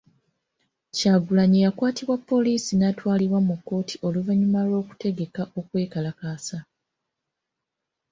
Kyagulanyi yakwatibwa poliisi n'atwalibwa mu kkooti oluvannyuma lw'okutegeka okwekalaasa.